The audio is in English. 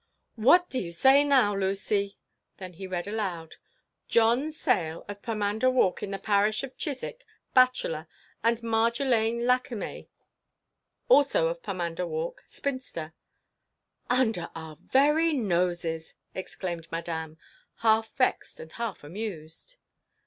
"What do you say now, Lucy?"—Then he read aloud, "John Sayle, of Pomander Walk, in the Parish of Chiswick, bachelor, and Marjolaine Lachesnais, also of Pomander Walk, spinster—" "Under our very noses!" exclaimed Madame, half vexed and half amused.